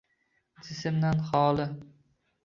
Jismdan xoli